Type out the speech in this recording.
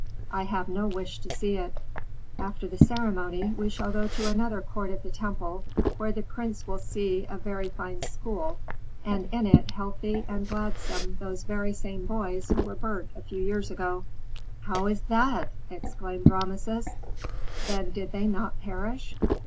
"I have no wish to see it." "After the ceremony we shall go to another court of the temple, where the prince will see a very fine school, and in it, healthy and gladsome, those very same boys who were burnt a few years ago." "How is that?" exclaimed Rameses; "then did they not perish?"